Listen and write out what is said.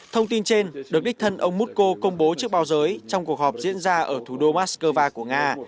thông tin trên được đích thân ông mukko công bố trước báo giới trong cuộc họp diễn ra ở thủ đô moscow của nga